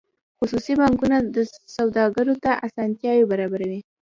خصوصي بانکونه سوداګرو ته اسانتیاوې برابروي